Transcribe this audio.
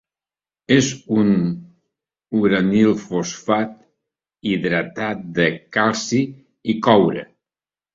És un uranil-fosfat hidratat de calci i coure.